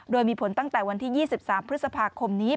โดยมีผลตั้งแต่วันที่๒๓พฤษภาคมนี้